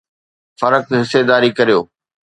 فرق حصيداري ڪريو